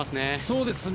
そうですね。